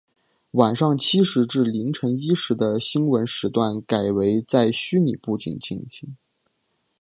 晚上七时至凌晨一时的新闻时段改为在虚拟布景进行。